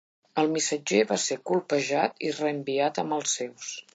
El missatger va ser colpejat i reenviat amb els seus.